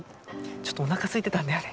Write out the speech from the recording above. ちょっとおなかすいてたんだよね。